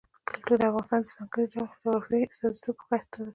کلتور د افغانستان د ځانګړي ډول جغرافیې استازیتوب په ښه توګه کوي.